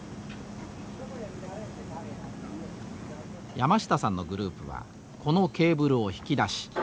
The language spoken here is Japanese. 山下さんのグループはこのケーブルを引き出し